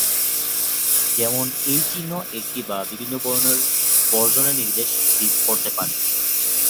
যেমন এই চিহ্ন একটি বা বিভিন্ন বর্ণ বর্জনের নির্দেশ করতে পারে।